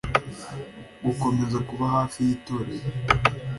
gukomeza kuba hafi y'itorero